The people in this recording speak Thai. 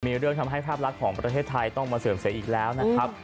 มีเรื่องทำให้ภาพลักษณ์ของประเทศไทยต้องมาเสื่อมเสียอีกแล้วนะครับ